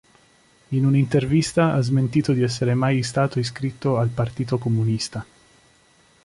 In un'intervista ha smentito di essere mai stato iscritto al Partito Comunista.